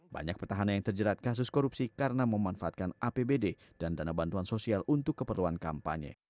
banyak petahana yang terjerat kasus korupsi karena memanfaatkan apbd dan dana bantuan sosial untuk keperluan kampanye